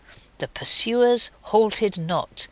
The pursuers halted not.